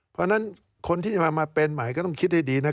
เพราะฉะนั้นคนที่จะมาเป็นใหม่ก็ต้องคิดให้ดีนะ